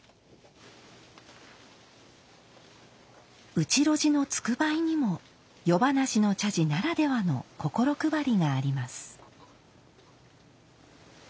内露地のつくばいにも夜咄の茶事ならではの心配りがあります。